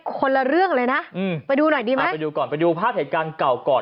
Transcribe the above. คนละเรื่องเลยนะอืมไปดูหน่อยดีไหมเอาไปดูก่อนไปดูภาพเหตุการณ์เก่าก่อน